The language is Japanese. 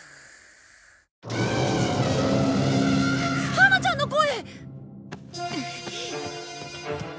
ハナちゃんの声！